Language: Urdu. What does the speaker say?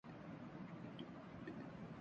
صاحب آپ اچھے آدمی ہیں، اس لیے اچھا گمان کیا۔